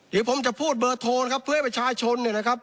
เดี๋ยวผมจะพูดเบอร์โทรกับผู้ให้ผู้ชายชนเนี้ยนะครับ